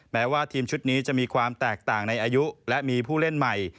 แม้ว่าทีมชุดนี้จะมีความแตกต่างในอายุและมีผู้เล่นใหม่